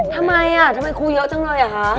ทำไมอ่ะทำไมครูเยอะจังเลยอ่ะคะ